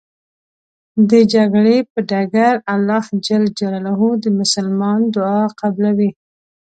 د جګړې په ډګر الله ج د مسلمان دعا قبلوی .